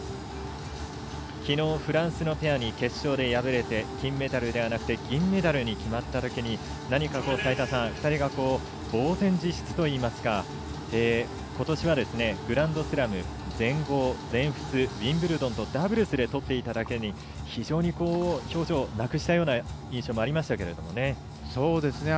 きのうフランスのペアに決勝で敗れて金メダルではなく銀メダルに終わったときに２人がぼうぜん自失といいますかことしはグランドスラム、全豪、全仏ウィンブルドンとダブルスで取っていただけに非常に表情をなくしたような印象がありましたが。